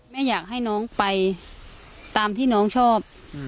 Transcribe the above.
อยากให้น้องไปตามที่น้องชอบ